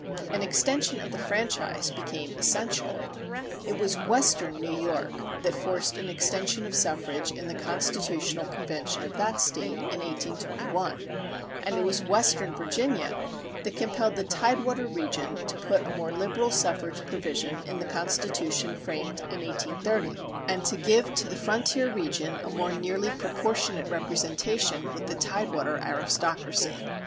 An extension of the franchise became essential. It was western New York that forced an extension of suffrage in the constitutional convention of that State in 1821; and it was western Virginia that compelled the tide water region to put a more liberal suffrage provision in the constitution framed in 1830, and to give to the frontier region a more nearly proportionate representation with the tide water aristocracy.